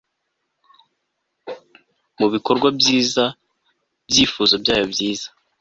mubikorwa byiza byifuzo byayo byiza